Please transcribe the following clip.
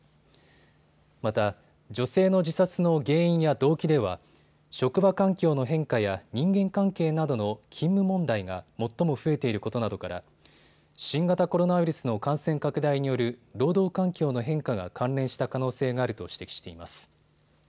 また女性の自殺の原因や動機では職場環境の変化や人間関係などの勤務問題が最も増えていることなどから新型コロナウイルスの感染拡大による労働環境の変化が関連した可能性があると指摘しています。